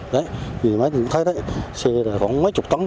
đấy mấy người cũng thấy đấy xe là khoảng mấy chục tấn